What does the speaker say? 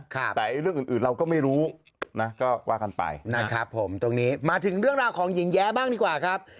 นะไอ้เรื่องอื่นเราก็ไม่รู้นะก็ว่ากันไห้มาถึงเรื่องภาคของหญิงแยะบ้างดีกว่าครับ